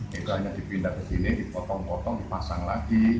jadi hanya dipindah ke sini dipotong potong dipasang lagi